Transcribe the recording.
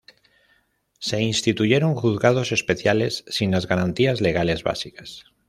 Se instituyeron "Juzgados Especiales" sin las garantías legales básicas.